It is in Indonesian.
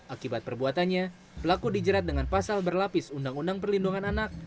akibat perbuatannya pelaku dijerat dengan pasal berlapis undang undang perlindungan anak